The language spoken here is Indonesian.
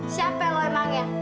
siapa yang lemangnya